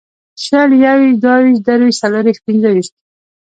شل یوویشت دوهویشت درویشت څلېرویشت پنځهویشت